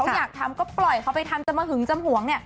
เขาอยากทำก็ปล่อยเขาไปทำจะมาหึงจะห่วง